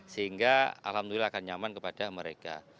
sehingga alhamdulillah akan nyaman kepada mereka